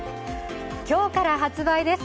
今日から発売です。